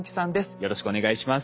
よろしくお願いします。